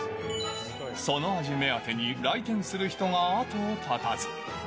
その味目当てに来店する人が後を絶たず。